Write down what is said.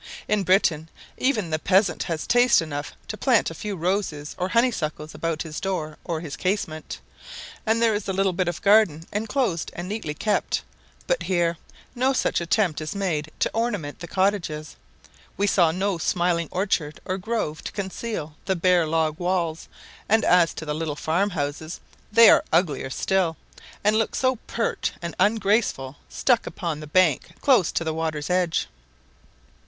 In Britain even the peasant has taste enough to plant a few roses or honeysuckles about his door or his casement, and there is the little bit of garden enclosed and neatly kept; but here no such attempt is made to ornament the cottages. We saw no smiling orchard or grove to conceal the bare log walls; and as to the little farm houses, they are uglier still, and look so pert and ungraceful stuck upon the bank close to the water's edge.